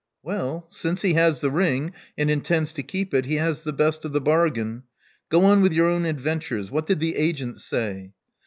" Well, since he has the ring, and intends to keep it, he has the best of the bargain. Go on with your own adventures. What did the agents say?"